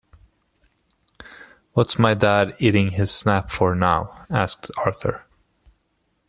“What’s my dad eating his snap for now?” asked Arthur.